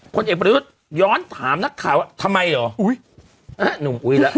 คนเอกประโยชน์ย้อนถามนักข่าวทำไมหรอ